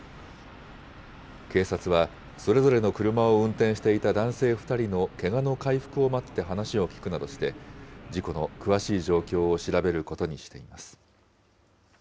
警察は、それぞれの車を運転していた男性２人のけがの回復を待って話を聴くなどして、事故の詳しい状況を調べることにしています。